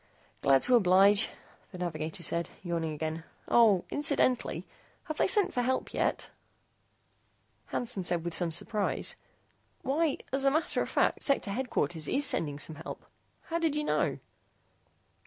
"Glad to oblige," the navigator said, yawning again. "Oh, incidentally, have they sent for help yet?" Hansen said with some surprise, "Why, as a matter of fact, Sector Headquarters is sending some help. How did you know?"